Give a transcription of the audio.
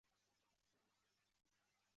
三好在畿内进入了全盛期。